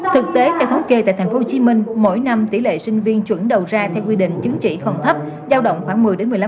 thực tế theo thống kê tại tp hcm mỗi năm tỷ lệ sinh viên chuẩn đầu ra theo quy định chứng chỉ còn thấp giao động khoảng một mươi một mươi năm